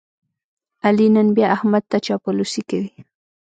علي نن بیا احمد ته چاپلوسي کوي.